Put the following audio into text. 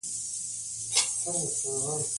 باران د افغانانو د ګټورتیا یوه برخه ده.